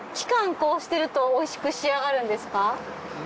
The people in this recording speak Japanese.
こうしてるとおいしく仕上がるんですか？